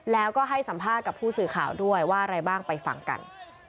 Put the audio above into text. แล้วก็ให้สัมภาษณ์กับผู้สื่อข่าวด้วยว่าอะไรบ้างไปฟังกัน